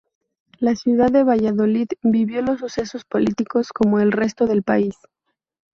La ciudad de Valladolid vivió los sucesos políticos como el resto del país.